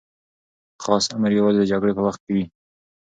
خاص امر یوازې د جګړې په وخت کي وي.